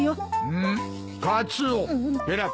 うん。